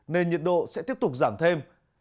nên nhiệt độ sẽ tiếp tục giảm thêm